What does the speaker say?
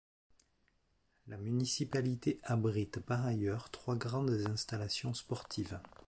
La municipalité abrite par ailleurs trois grandes installations sportives.